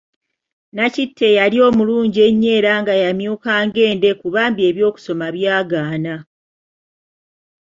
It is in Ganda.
Nakitto eyali omulungi ennyo era nga yamyuka ng'endeku bambi eby'okusoma byagaana.